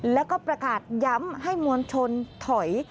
แล้วก็ประกาศย้ำให้มวลชนถอย